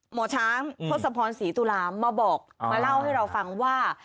หมอช้างทศพรศรีตุลามาบอกมาเล่าให้เราฟังว่า